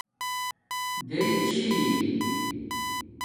رَی چھݵئ